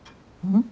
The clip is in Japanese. うん。